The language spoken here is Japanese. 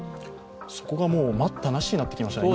そこが待ったなしになってきましたね。